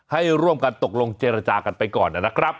ให้ร่วมกันตกลงเจรจากันไปก่อนนะครับ